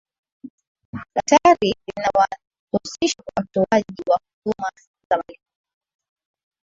daftari linawahusisha watoaji wa huduma za malipo